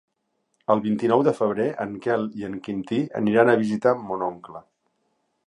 El vint-i-nou de febrer en Quel i en Quintí aniran a visitar mon oncle.